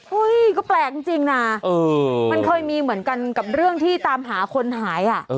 ก็แปลกจริงนะมันเคยมีเหมือนกันกับเรื่องที่ตามหาคนหาย